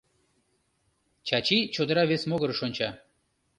Чачи чодыра вес могырыш онча.